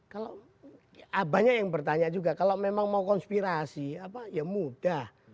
kalau banyak yang bertanya juga kalau memang mau konspirasi apa ya mudah